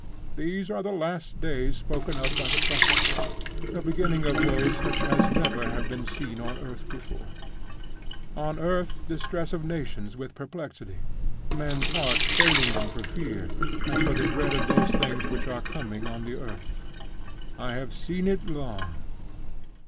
These are the last days spoken of by the prophets, the beginning of woes such as never have been on the earth before "On earth distress of nations with perplexity, men's hearts failing them for fear, and for the dread of those things which are coming on the earth." I have seen it long.